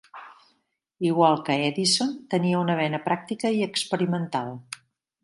Igual que Edison, tenia una vena pràctica i experimental.